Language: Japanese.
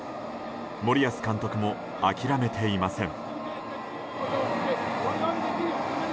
森保監督も諦めていません。